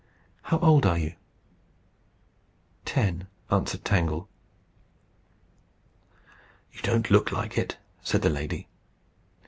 How old are you?" "Ten," answered Tangle. "You don't look like it," said the lady.